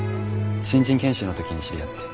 新人研修の時に知り合って。